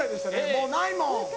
もうないもん！